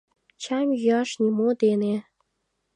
— Чайым йӱаш нимо дене.